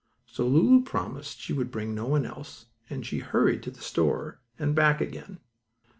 So Lulu promised she would bring no one else, and she hurried to the store and back again.